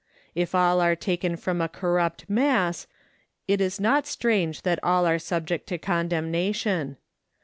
If all are taken from a corrupt mass, it is not strange that all are subject to condemnation.